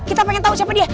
kita pengen tau siapa dia